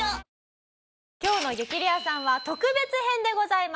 今日の『激レアさん』は特別編でございます。